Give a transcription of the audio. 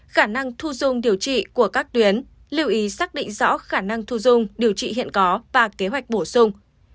khả năng thu dung điều trị của các tuyến lưu ý xác định rõ khả năng thu dung điều trị hiện có và kế hoạch bổ sung